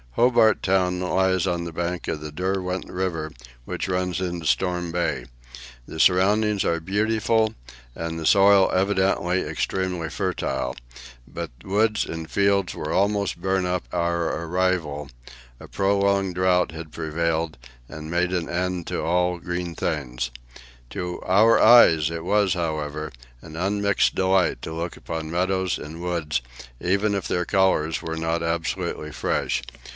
Hobart Town lies on the bank of the Derwent River, which runs into Storm Bay. The surroundings are beautiful, and the soil evidently extremely fertile; but woods and fields were almost burnt up on our arrival; a prolonged drought had prevailed, and made an end of all green things. To our eyes it was, however, an unmixed delight to look upon meadows and woods, even if their colours were not absolutely fresh.